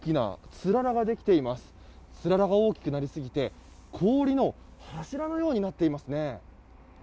つららが大きくなりすぎて氷の柱のようになっていますね。